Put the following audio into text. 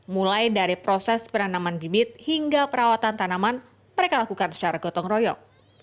mulai dari proses penanaman bibit hingga perawatan tanaman mereka lakukan secara gotong royong